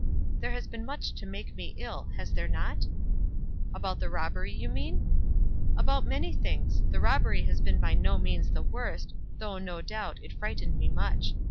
"There has been much to make me ill, has there not?" "About the robbery, you mean?" "About many things. The robbery has been by no means the worst, though, no doubt, it frightened me much.